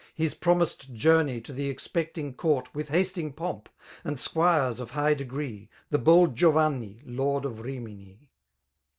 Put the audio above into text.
His promised journey to the expecting court With hasting pomp, and squires of high degree. The bold Giovanni, lord of Rixnini.